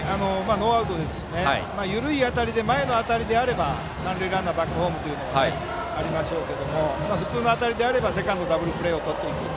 ノーアウトですし緩い当たりで前の当たりであれば三塁ランナーバックホームがありますけど普通の当たりであればセカンドのダブルプレーをとっていく。